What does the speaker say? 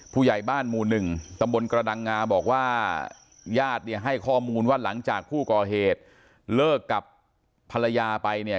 ผู้ใหญ่บ้านหมู่หนึ่งตำบลกระดังงาบอกว่าญาติเนี่ยให้ข้อมูลว่าหลังจากผู้ก่อเหตุเลิกกับภรรยาไปเนี่ย